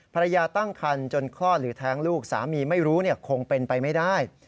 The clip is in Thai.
ตั้งคันจนคลอดหรือแท้งลูกสามีไม่รู้คงเป็นไปไม่ได้